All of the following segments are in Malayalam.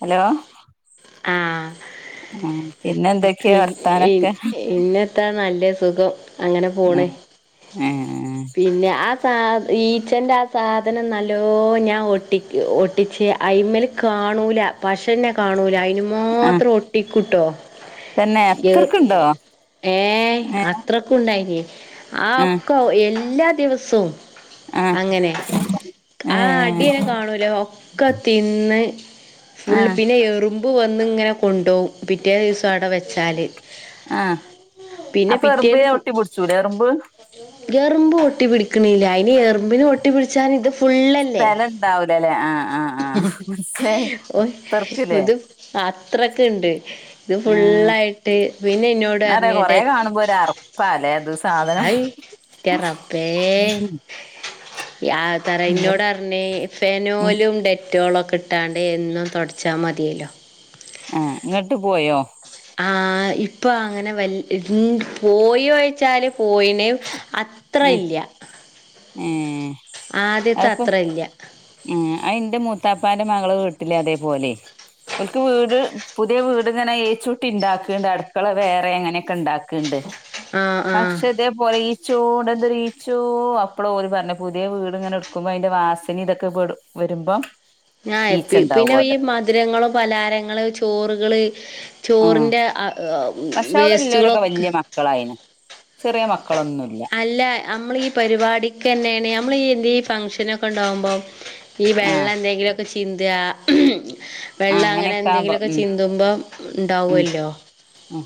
ഹലോ ആഹ് പിന്നെ പി എന്തൊക്കെയാ വർത്താനൊക്കെ ഇന്നെത്താ നല്ല സുഖം. അങ്ങനെ ആ പോണ് ഏ പിന്നെ ആ സാ ഈച്ചേന്റെ ആ സാധനം നല്ലോ ഞാൻ ഒട്ടിക്ക് ഒട്ടിച്ച് അയിമ്മേല് കാണൂല. പശന്നെ കാണൂല അയിന് മാത്രം ഒട്ടിക്കൂട്ടോ. തന്നേ അത്രക്കുണ്ടോ? ഏഹ് ഏ അത്രക്കും ഉണ്ടായിന് ആ ഒക്കും എല്ലാ ദിവസവും. ആ അങ്ങനെ ഏ ആ അടിയന്നെ കാണൂല ഒക്കെ തിന്ന് ഫുൾ ആ പിന്നെ എറുമ്പ് വന്നിങ്ങനെ കൊണ്ട് പോകും പിറ്റേ ദിവസം അവിടെ വെ ച്ചാല് ആ പിന്നെ അപ്പൊ പിറ്റേന്ന് എറുമ്പിനെ പൂ ഒട്ടി പിടിച്ചൂലേ എറുമ്പ് എറുമ്പ് ഒട്ടി പിടിക്കണില്ല അയിന് എറുമ്പിന് ഒട്ടി പിടിച്ചാൻ ഇത് ഫുള്ളല്ലേ സ്ഥലം ഇണ്ടാവൂലല്ലേ ആ ആ ആ മനസ്സിലായി ഓ അത്രക്കില്ലേ ഇത് അത്രക്ക് ഉണ്ട്. ഇത് ആ ഫുള്ളായിട്ട് പിന്നെ ഇന്നോട് എന്നാ പറയാ കൊറേ പറഞ്ഞിട്ടെ കാണുമ്പോ ഒരു അറപ്പാല്ലേ അത് സാധനം അയി ന്റെ റബ്ബേ യാ തറ ഇന്നോട് പറഞ്ഞ് ഉം ഫെനോയിലും ഡെറ്റ് റ്റോളൊക്കെ ഇട്ടാണ്ട് എന്നും തുടച്ചാൽ മതിയല്ലോ ആ എന്നിട്ട് പോയോ? ആ ഇപ്പൊ അങ്ങനെ വ പോയി വച്ചാല് പോയിന് അത്ര ഉം ഇല്ല ഏ ആദ്യത്തെ അത്ര ഇല്ല. അയെന്റെ മൂത്താപ്പാന്റെ മകള് വീട്ടില് അതേപോലെ ഓൾക്ക് വീട് പുതിയ വീട് ഇങ്ങനെ ഏച്ചൂട്ടി ഉണ്ടാക്കണ് അടുക്കള വേറെ അങ്ങനെയൊക്കെ ഇണ്ടാക്കുണ്ട്. ആ ആ പക്ഷേ ഇതേപോലെ ഈ ച്ചോട് എന്തരീച്ചോ അപ്പോൾ ഓര് പറഞ്ഞെ പുതിയ വീട് ഇങ്ങനെ എടുക്കുമ്പോ അതിന്റെ വാസന ഇതൊക്കെ പെടും വരുമ്പം ആ ഈച്ച പിന്നെ ഈ ഇണ്ടാവോലോ മധുരങ്ങള്, പലാരങ്ങള്, ചോറുകള് ചോറിന്റെ ആ പക്ഷേ അവടെല്ലോലൊക്കെ വല്യേ മക്കളായിണ് ചെറിയ മ അല്ലാ അമ്മളീ പരിപാടിക്കന്നേണ് അമ്മളീ ഇന്തീ ഫംഗ്ഷനൊക്കണ്ടാവുമ്പോ ഈ ആഹ് വെള്ളം എന്തെങ്കിലൊക്കെ ചിന്താ ആഹ് വെള്ളം അങ്ങനെ അങ്ങനെയൊക്കെ ആവുമ്പോ എന്തെങ്കിലൊക്കെ ഉം ചിന്തുമ്പം ഉം ഇണ്ടാവുവല്ലോ? ഉം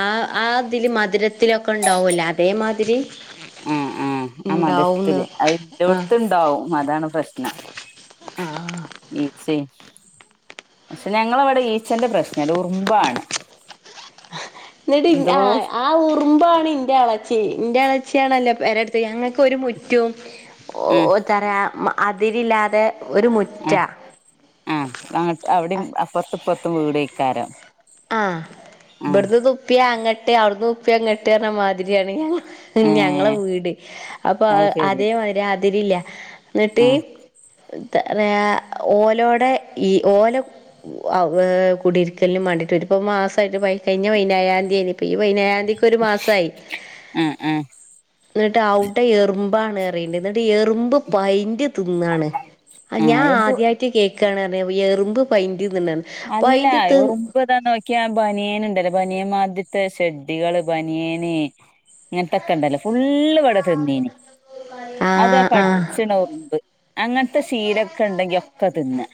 ആ ആതില് മധുരത്തിലൊക്കെ ഇണ്ടാവൂല്ലേ അതേമാതിരി ആഹ് ആഹ് ആ മധിരത്തില് ഉണ്ടാവുംന്ന് അയി ആ ഇല്ലോട്ത്തിണ്ടാവും അതാണ് പ്രശ്നം. ആ ആ ഈച്ചേ പക്ഷേ ഞങ്ങളവടെ ഈച്ചന്റെ പ്രശ്നല്ല ഉറുമ്പാണ്. ന്നിട്ട് ഇൻ എന്തോ ആ ആ ഉറുമ്പാണ് ഇന്റെ എളച്ചി ഇന്റെ എളച്ചി ന്റെ ആണല്ലോ പെരടുത്ത് ഞങ്ങക്കൊരു മുറ്റവും ആ ഓതറാ അതിരില്ലാതെ ഒരു മുറ്റാ. ആഹ് അപ്പൊങ്ങട്ട് അവിടേം അപ്പറത്തും ഇപ്പറത്തും വീടൊയ്ക്കാരം. ആഹ് ഇബ്ട്ന്ന് തുപ്പിയാ അങ്ങട്ട് അവിടുന്നുപ്പിയാ ഇങ്ങട്ട് റഞ്ഞ മാതിരിയാണ് ഞങ്ങ ഏ ഞങ്ങളെ വീട് അപ്പൊ അത് ശരി അതേമാതിരി അതിരില്ല്യ. ആ ന്നിട്ട് വ്യാ ഓലോടെ ഈ ഓല ഔ ഏ കുടിരിക്കലിനുംമാണ്ടി ഒരു മാസായിട്ട് പയി കയിഞ്ഞ പയിനേഴാന്തിയെയ്ന്ന് ഇപ്പൊ ഈ പയിനേഴാ ന്തിക്കൊരു മാസായി. ആ ആ ഇന്ന്ട്ട് ഔടെ എറുമ്പാണറീണ്ട് ഈ എറുമ്പ് പയ്ന്റ് തിന്നാണ്. ആ എന്തോ ഞാആദ്യായിട്ട് കേ ക്കാണ്റഞ്ഞപൊ എറുമ്പ് പയ്ന്റ് അല്ലാ ഉറുമ്പ് താ നോ ക്ക്യാ ബനിയൻ ഇണ്ടല്ലോ ബനിയൻമാതിരത്തെ ഷെഡികള് ബനിയന് ഇങ്ങനത്തൊക്കെ ഇണ്ടല്ലോ ഫുള്ള് ഇവടെ തിന്നീന് ആഹ് ആഹ് അതുആകടിച്ചണ ഉറുമ്പ് അങ്ങനത്തെ സീലൊക്കെ ഇണ്ടെങ്കി ഒക്കെ തിന്നാ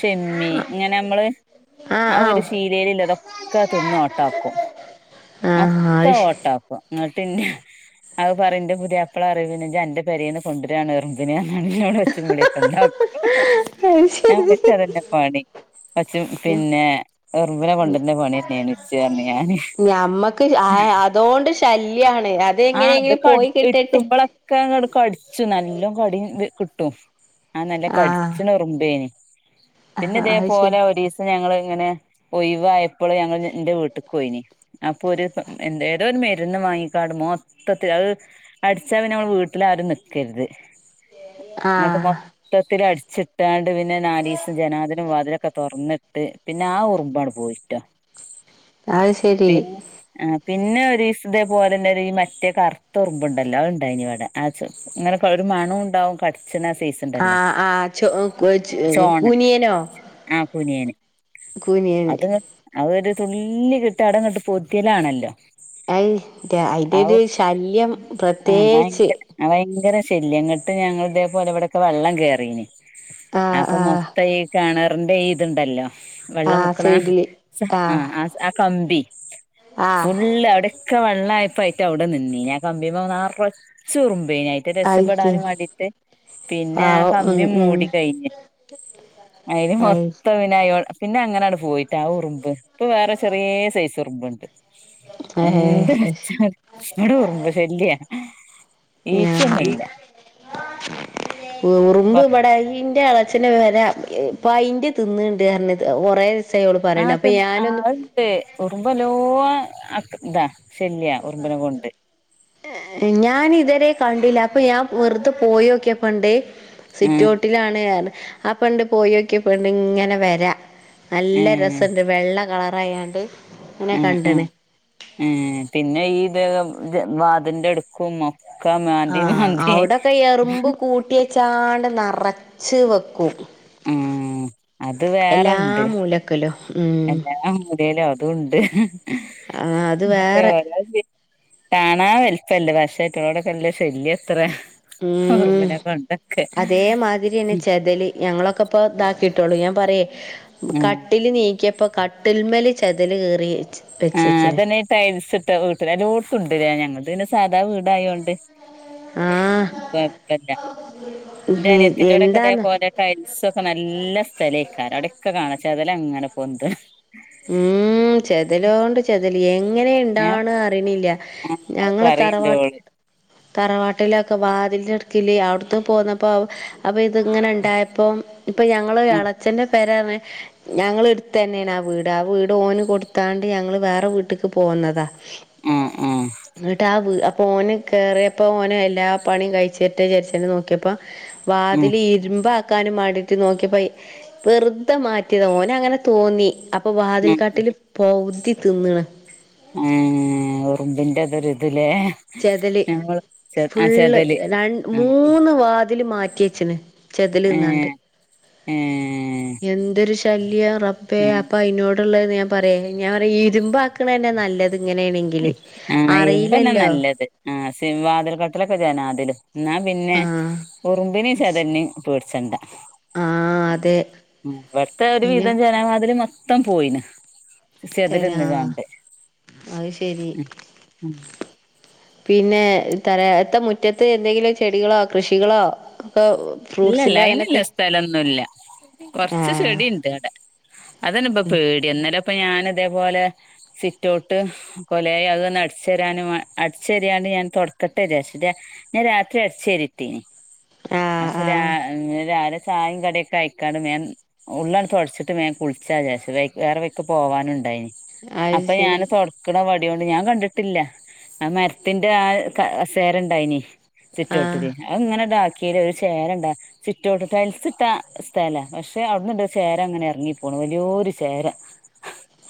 ഷിമ്മി ഇങ്ങനെ മ്മള് ആഹ് ആ ഒരു ശീലയിലില്ലതൊക്കെ തിന്ന് ഓട്ടാക്കും. ആഹ് ആഹ് അത് ശ മൊത്തംഓട്ടാക്ക്വാ പിന്നെ അത് പറയുംന്റെ പുതിയാപ്ല പറയും. പിന്നെ ഇജ് അന്റെ പേരീന്ന് കൊണ്ട്രാണ് ഇറുമ്പിനേന്ന് നല്ലോണം ഒച്ചീമ്പുളിം ഒക്കെ ഇണ്ടാക്കും. അത് ശരി ഞാന്ച്ചതന്നെ പണി പചും പിന്നെ എറുമ്പിനെ കൊണ്ടര്ണ പണിയന്നര്ന്നു ഇച്ച്ന്നറഞ്ഞു ഞാന്. ഞമ്മക്ക് അതോണ്ട് ശല്യാണ് ആ അത് അതെങ്ങനെയെങ്കിലും കട് പോയി കിട്ടട്ടെ ഇട്ടുമ്പളൊക്കങ്ങട്ട് കടിച്ചുംനല്ലോം കടീം ത് കിട്ടും അത് നല്ല കടിച്ചണ ഉറുമ്പേന് അഹാ അഅ് പോലെ ഒരീസം ഞങ്ങള് ങ്ങനെ ഒയിവായപ്പള് ഞങ്ങള് ഇന്റെ വീട്ട്ക്ക് പോയിന് അപ്പോ ഒരു എന്താ ഏതോരു മരുന്ന് വാങ്ങിക്കാട് മൊത്തത്തില് അഅ് അടിച്ചാൽ പിന്നെമ്മളെ വീട്ടിൽ ആരും നിക്കരുത്. ഇങ്ങട്ട് ആഹ് മൊത്തത്തിലടിച്ചിട്ടാണ്ട് പിന്നെ നാലീസം ജനാതിലും വാതിലൊ ഒക്കെ തുറന്നിട്ട് പിന്നെ ആ ഉറുമ്പങ്ങട് പോയിട്ടോ അഅ് ശരി പിന്നെ ആ പിന്നെ ഒരീസം ഇതേപോലെന്നൊരീമറ്റേ കറുത്ത ഉറുമ്പുണ്ടല്ലോ അഅ്ണ്ടായിനിവിടെ അത് സ് ഇങ്ങനൊക്കെ ഒരു മണോംഇണ്ടാവും കടിച്ചണാ സൈസിണ്ടല്ലോ ആഹ് ആഹ് ചോ ചോണ കുനിയനോ തുനിയന് കുനിയന് അത് അവ ഒരു തുള്ളി കിട്ടാടംങ്ങട്ട് പൊത്തിയലാണല്ലോ അഅ് ന്റ അയിന്റൊരു ശല്യം പ്രത്യേകിച്ച് യങ്കര ശല്യംങ്ങട്ട് ഞങ്ങളിതേപോലെ ഇവിടൊക്കെ വെള്ളം കേറിന് ആഹ് അപ്പൊ ആഹ് മൊത്തംഈ കേണേറിന്റെ ഈഇത്ണ്ടല്ലോ ആഹ് വെള്ളംമുക്കണ സൈഡില് സ ആ ആഹ് ആ സ ആ കമ്പി ആഹ് ഫുള്ള് അവിടൊക്കെ വെള്ളായപ്പയ്റ്റ അവിടെ നിന്നീന് ആ കമ്പിമ്മെ നറച്ചുറുമ്പ് വെയിനായിട്ട് ആയിക്ക് രക്ഷപ്പെടാനുംവേണ്ടീട്ട് പിന്നെ ആ പാവം ഉം കമ്പി ഉം മൂടി കയിഞ്ഞ് അയില് അയ് മൊത്തപിനയ്കോടെ പിന്നെ അങ്ങനാണ് പോയിട്ട് ആ ഉറുമ്പ് ഇപ്പൊ വേറെ ചെറിയ സൈസ് ഉറുമ്പ്ണ്ട് എന്ത് ഏഹ് വെച്ചാലും ഇവിടെ ഉറുമ്പ് ശല്യ ഈച്ചയൊന്നുല്ല ഉറുമ്പ് ഇവിടെ ഇന്റെ അച്ഛന് വരെ പൈന്റ് തിന്നണ്ട് കാര കൊറെ ആഹ ആ് അത്ണ്ട് ഉറുമ്പല്ലോ ഇതാ ശല്യ ഉറുമ്പിനെ കൊണ്ട് ഞാൻ ഇതുവരെ കണ്ടില്ല അപ്പൊ ഞാൻ വെറുതെ പോയിക്കിയപ്പണ്ടേ ഉം സിറ്റോട്ടിലാണ് ഞാൻ ആ പെണ്ട് പോയിക്കിയ പെണ്ട് ഇങ്ങനെ വരാ നല്ല ഉം രസുണ്ട് വെള്ള കളർ പറയാണ്ട് ഉം ഉം ഉ പിന്നെ ഈ ഇത് വാതിലിന്റെ എടക്കും ആഹ അവിടൊക്കെ എറുമ്പ് കൂട്ടിയച്ചാണ്ട് നിറച്ച് വെക്കും ഉം അത് എല്ലാ വേറെണ്ട് മൂലക്കിലോ എല്ലാ മൂലയിലും അതും ഉണ്ട് അത് രാ വേറെ കാണാൻ വലുപ്പംമല്ല പക്ഷേട്ടുള്ളോടൊക്കെല്ല ശല്യം എത്ര ഉം ഉറുമ്പിനെ കൊണ്ട് അതേമാതിരിന്നെ ചെതല് ഞങ്ങളൊക്കെ ഇപ്പ ഇതാക്കിട്ടളു ഞാൻ പറ്യേയ് ഉം കട്ടില് നീക്കിയപ്പോ കട്ടിൽമല് ചെതല് കേറിയ്ച്ച് ആഹ് അതന്നെ ഈ ടൈൽസ്ട്ട വീട്ടില് എല്ലോട്ത്തുണ്ട്ലേ ഞങ്ങളത് പിന്നെ സാദാ വീടായോണ്ട് ആഹ് കൊയപ്പല്ല. ഇന്റെ നീ അനിയത്തിൻ്റോടെ ക്കെ എന്താന്ന് ഇതേപോലെ ടൈൽസൊക്കെ നല്ല സ് സലെയ്ക്കാരം അവിടെക്കെ കാണാ ചെതലങ്ങനെ പൊന്ത്ണൂ ഉം ചെതലോണ്ട് ചെതല് എങ്ങനെ ഏഹ് ഇണ്ടാവണ് അറിണില്ല്യ. ആഹ് അത് ഞങ്ങളെ തറവാ പറയ്ണ്ടോള് തറവാട്ടിലൊക്കെ വാതിൽൻ്റെ ഇട്ക്കില് അവ്ട്ന്ന് പോന്നപ്പോ അപ്പ ഇത് ങ്ങനെ ഇണ്ടായപ്പോം ഇപ്പൊ ഞങ്ങളെ ഉം എളേച്ചന്റെ പെരർഞ്ഞ് ഞങ്ങള് ഇട്ത്തതന്നേണ് ആ വീ ട് ആ വീട് ഓന് കൊടുത്താണ്ട് ഞങ്ങള് വേറെ വീട്ട്ക്ക് പോന്നതാ. ആഹ് ആഹ് ന്നട്ടാവ് ഓന് കേറ്യേപ്പോ ഓന് എല്ലാ പണിം കയ്ച്ചട്ടെ ചാര്ച്ച്ണ് നോക്ക്യെപ്പം ഉം വാതില് ഇര്മ്പാ ക്കാനും മാണ്ടീട്ട് നോക്ക്യപ്പൊ ഇ വെർതെ മാറ്റ്യതാ ഓനങ്ങനെ തോന്നി അ പ്പൊ വാതിൽ ഉം കട്ട്ല് പൗതി തിന്ന്ണ് ഏഹ് ഉറുമ്പിന്റെതൊര്ത് ചെതല് ആഹ് ഫുള്ള് ചെതല് രൺ ആഹ് മൂന്ന് വാ തില് മാറ്റ്യെച്ച്ണ് ചെതല്ന്നാണ്ട് ഏഹ് ഏഹ് എന്തൊര് ശല്യാ റബ്ബേ ഉം അപ്പയ്നോട്ള്ളെ ഞാൻ പറ്യേ ഏഹ് ഞാൻ പറ്യാ ഇര്മ്പാക്ക്ണെന്നെ നല്ല ആഹ് ഇര്മ്പന്നെ നല്ലത് ആഹ് സിം വാത്ൽ കട്ട്ലെക്കെ ജനാതിലും ന്നാ പിന്നെ ആഹ് ഉറുമ്പിനിം ചെതൽനിം പേട്ച്ചണ്ടാ ആഹ് അതെ ഉം ഇവട്ത്തെ ഒര് അയിന് വിധം ജനവാതില് മൊ ത്തം പോയ്ണ് ചെതല്ന്ന്കാണ്ട് അത്ശെരി പിന്നെ ത്താറ്യാ എത്താ മുറ്റത്ത് എന്തെങ്കിലും ചെടികളോ കൃഷികളോ ഒക്കെ ഇല്ലല്ലാ ഫ്രൂട്ട്സിന്റെ അയ്ന്ല്ല അങ്ങനത്തെ സ്ഥലൊന്നുല്ല കൊർച്ച് ആഹ് ചെടിണ്ട് വടെ അതെന്നെപ്പ പേട്യാ ഇന്നലെ പ്പ ഞാന് തേപോലെ സിറ്റൗട്ട് കൊലേയ് അതൊന്ന് അട്ച്ചേരാനും വാ അട്ച്ചേര്യാണ്ട് ണ്ട് ഞാൻ താെട്ക്കട്ടെ ജാര്ച്ച് ഞാൻ രാത്രി അട്ച്ചേരിട്ടീനി ആഹ് അപ്പ ഞാ ആഹ് ഇങ്ങനെ രാവ്‌ലെ ചായിം കടിക്കെയ്ക്കാണ്ട് ബേം ഉള്ളാണ്ട് താെട്ച്ച്ട്ട് ബേം കുൾച്ചാചാര്ച്ച് വെയ് വേറെ വെയ്ക് പോവാനുണ്ടായ്നി അത് അപ്പ ഞാന് ശരി തൊട്ക്ക്ണ വ ട്യോണ്ട് ഞാൻ കണ്ട്ട്ട്ല്ല ആ മര്ത്ത്ന്റെ ആ ക സേരണ്ടായ്നി ആഹ് സിറ്റൗട്ടിൽ ആങ്ങനെങ്ങട്ട് ആക്കിയേൽ ഒരു ചേരണ്ടാ സിറ്റോട്ട് ടൈൽസ്ട്ടാ സ്ഥല പക്ഷെ അവിടുന്ന് ണ്ട് ചേര ണ്ട്ങ്ങനെ ഇറങ്ങി പോണ് വല്യോ രു ചേര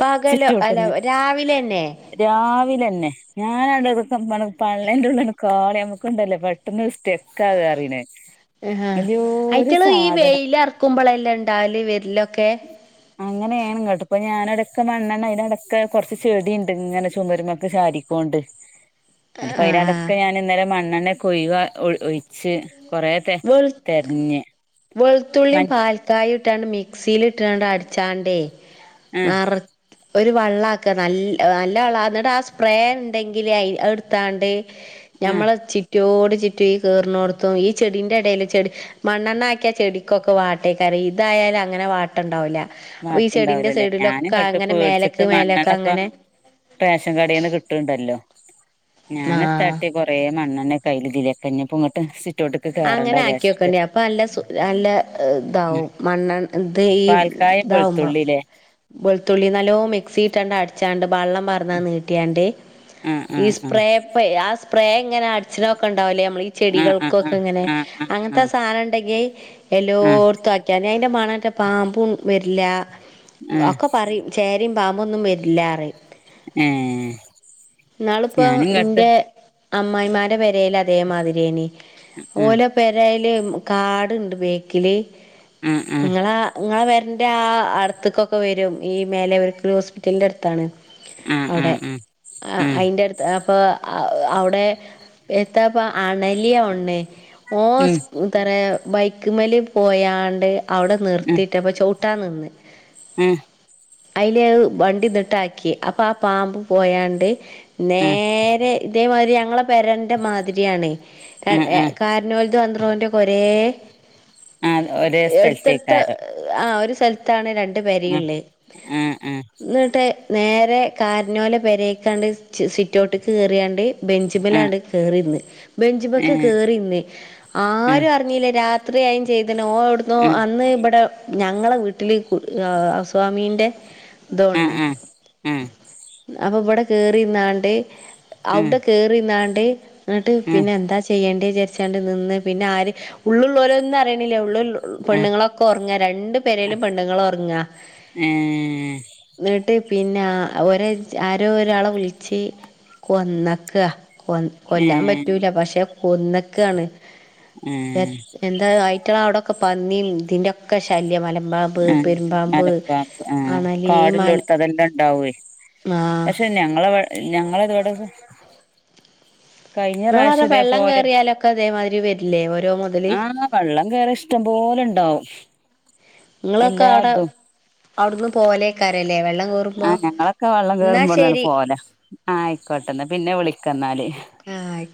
പകലോ അല്ല സിറ്റൗട്ടിന്ന് രാവിലെ തന്നെ രാവിലെ പിന്നെ ഞാനവിടെക്ക പള്ളന്റെ ഉള്ളന്ന് കാളി നമ്മുക്ക്ണ്ടല്ലേ പെട്ടെന്ന് സ്റ്റെക്ക ആവാ റിലെ ആ ഐറ്റള് ഈ വെയിലറക്കുമ്പോളെല്ലേ ണ്ടാവല് വെരലൊക്കെ അങ്ങനെയാണ് കേട്ട് പ്പൊ അങ്ങനാണ് ങ്ങട്ട് പ്പംഞാനട ക്കെമണ്ണണ് അയിലെവ്ടെ കെകുറച്ച് ചെടി ണ്ട് ഇങ്ങനെ ചുമരുമൊക്കെ ചാരിക്കും. ഉണ്ട് ന്നട്ട് ആഹ് പ്പയിലാണ്ടൊക്കെ ഞാൻ ന്നലെ മണ്ണെണ്ണയെക്കെ ഒഴിവാ ഒഴിച്ച് കൊറെ തെര വെളു തെരഞ്ഞെ. വെളുത്തുള്ളിയും പാൽക്കായ ഇട്ടാണ്ട് മിക്സിയിലിട്ടണ്ട് അടിച്ചാണ്ടേ ആഹ് നറത്ത് ഒരു വള്ളാക്ക നല്ല നല്ല വള്ള എന്നിട്ട് ആ സ്പ്രേ ണ്ടെങ്കിൽ അത് ട്ത്താണ്ട് ആഹ് ഞമ്മളെ ചിറ്റോട് ചിറ്റും, ഈ കേറ്ണോട് ത്ത് ഓ ഈ ചെടിന്റെ ടയിൽ ചെടി മണ്ണെണ്ണ. ക്കിയാ ചെടിക്കൊക്കെ വാട്ടേക്കാരം ഇതായാലും അങ്ങനെ വാട്ട ണ്ടാവൂല. അപ്പൊ ഈ ചെടിന്റെ വാട്ടുണ്ടാവൂലല്ലേ ഞാനും സൈഡിലൊക്കെ കേട്ട് അങ്ങനെ മേലക്ക് പേടിച്ചിട്ട് മേലൊക്കെ മണ്ണെണ്ണ ഇപ്പ അങ്ങനെ റേഷൻ കടയിന്ന് കിട്ട്ണ്ടല്ലോ. ആഹ് ഞാനത്താട്ടിയെ കൊറേ മണ്ണണ്ണെ കയ്ൽ തിരക്ക ഞ്ഞപ്പ ങ്ങട്ട് അങ്ങനെ ആക്കിയോക്കേണ്ടി അപ്പൊ അല്ല സുഖ നല്ല ഉം താവും [unintelligible] പാൽക്കായും ഇതാവുമ്പ വെളുത്തുള്ളില്ലേ വെളുത്തുള്ളി നല്ലോ മിക്സി ഇട്ടാണ്ട് അടച്ചാണ്ട് ബള്ളം പാർന്ന് നീട്ടിയാണ്ട് ആഹ് ഈ ആഹ് സ്പ്രപ് ആ സ് സ്പ്രേ ങ്ങനെ അടിച്ചിന ഒക്കെ ഉണ്ടാവലേ നമ്മൾ ഈ ആഹ് ആഹ് ചെടികൾക്കൊക്കെ ആഹ് ഇങ്ങനെ ആഹ് ആഹ് അങ്ങനത്തെ ആഹ് സാധനം ഉണ്ടെങ്കിൽ ആഹ് ആഹ് എല്ലോട്ത്തും ആക്കിയ ഞ അതിന്റെ മണെറ്റ പാമ്പും വരില്ല. ആഹ് ഒക്കെ പറയും. ചേര രിംപാമ്പൊന്നും വരില്ലാറിം ഏഹ് നാളിപോ ഞാനും കട്ട് ന്റെ അമ്മായിമാൻ്റെ പെരേല് അതേമാതിരെനി ആഹ് ഓലെ പെരേല് കാട്ണ്ട് ബാക്കില് ആഹ് ങ്ങളെ ങ്ങളെ [unintelligible] ന്റെ ആ അടുത്തുക്കൊക്കെ വരും. ഈ മേലെ [unintelligible] ഹോസ്പിറ്റലിന്റെ അട്ത്താണ്. ആഹ് ആഹ് ഔടെ ആഹ് ആ ആഹ് ആഹ് അയിന്റെ അടുത്ത് ആ അപ്പൊ അവിടെ എത്തപ്പ അണലിയോണ് ഓൻ [unintelligible] ബൈക്ക്‌മല് പോയാണ്ട് അവിടെ ഉം ഉം നിർത്തിട്ടപ്പം ചൗ ട്ടാ നിന്ന്. ട്ടാ ഉം അയില് വണ്ടിന്നിട്ടാക്കി അപ്പൊ ആ പാമ്പ് പോയാണ്ട് ഉം നേരെ ഇതേമാതിരി ഞങ്ങളെ പെരന്റെ മാതിരിയാണ്. ഉം ഉം [unintelligible] ആഡ്രോൻ്റെക്കെ ഒരേ ആഹ് ഒരേ എടുടുത്ത സ്ഥലത്തേക്കാരം ആ ഒരു സ് സ്ഥലത്താണ് രണ്ട് പെരിം ഉം ള്ളത് ഉം ഉം ന്നട്ട് നേരെ കാര്നോലെ പെരേക്കാണ്ട് സിറ്റോട്ട് കേറി യാണ്ട് ഉം ബെഞ്ചുമലാണ് കേറിന്ന്, ബെഞ്ചുമക്ക് ഏഹ് കേറിന്ന്, ഉം ആരും അറിഞ്ഞില്ല രാത് ത്രിയായും ചെയ്ത്ണ് ഓ ഒട്ന്നോ ഉം അന്ന് ബ്ടെ ഞങ്ങളെ വീട്ടില് കൂട് ഹൗസ് വാമി ന്റെ ഉം ന്തൊണ്ണ് ഉം ഉം അപ്പൊ ഇവിടെ കേറിന്നാണ്ട് ഉം ഉം ഔടെ കേറിന്നാണ്ട് ന്നിട്ട് പിന്നെ എന്താ ചെയ്യേണ്ട ണ്ട് നിന്ന് പിന്നെ ആര് ഉള്ള ള്ളോലൊന്നും അറിയണില്ലേ ഉള്ള്ള്ളോ ഉം പെണ്ണുങ്ങളൊക്കെ ഒറങ്ങാ രണ്ടു പേരേലും പെണ്ണുങ്ങൾ ഒറങ്ങാ. ഏഹ് ന്നെട്ട് പിന്നെ ഒര ആരോ ഒരാളെ വിളിച്ച് കൊന്നക്ക. കൊ കൊല്ലാൻ ഏഹ് പറ്റൂല പക്ഷെ കൊന്നക്കാണ്. എ ഏഹ് എന്താ ആയിറ്റങ്ങളെവിടെൊക്കെ പന്നിം തിന്റെൊക്കെ ശല്യ മല ആ മലമ്പാമ്പ് ആ അണലി മൽ കാടിലോട്ത്ത് അതെല്ലാം ണ്ടാവേ. ആ പക്ഷെ ഞങ്ങളെവ ഞങ്ങളവീടെ ഇങ്ങളവ്ടെ വെള്ളം കേറിയാലൊക്കെ തേമാത്‌രി വെര്ലേ ഒ ആഹ് വള്ളം കേറിയ ഇഷ്ടം പോലെണ്ടാവും. ഇങ്ങളൊക്കെ അവ്ടെ അവ്ട്ന്ന് പോലേക്കാര ആഹ് ഞങ്ങളൊക്കെ വള്ളം കേറുമ്പോ വ്ട്ന്നാണ്ട് ശരി പോല. ആ ആയിക്കോട്ടന്ന പിന്നെ വിളിക്കന്നാല്. ആഹ് ആയ്